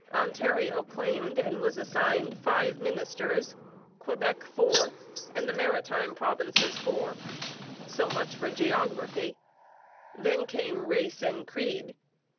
Ontario claimed and was assigned five ministers, Quebec four, and the Maritime Provinces four. So much for geography. Then came race and creed.